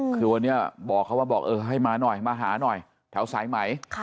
คือวันนี้บอกเขาว่าบอกเออให้มาหน่อยมาหาหน่อยแถวสายไหม